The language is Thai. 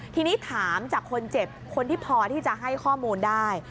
ทีนี้ถามจากคนเจ็บคนที่พอที่จะให้ข้อมูลได้